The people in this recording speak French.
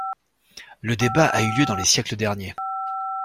Le débat a eu lieu dans les siècles derniers.